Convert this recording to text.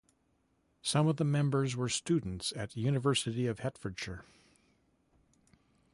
Some of the members were students at University of Hertfordshire.